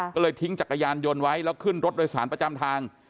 ก็เลยทิ้งจักรยานยนต์ไว้แล้วขึ้นรถโดยสารประจำทาง